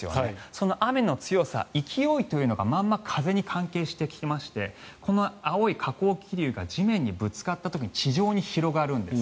その雨の強さ、勢いというのがまんま風に関係してきましてこの青い下降気流が地面にぶつかった時に広がるんです。